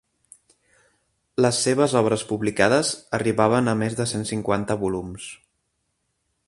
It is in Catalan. Les seves obres publicades arribaven a més de cent cinquanta volums.